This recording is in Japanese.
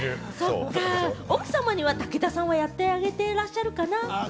奥様には武田さんはやってあげていらっしゃるかな？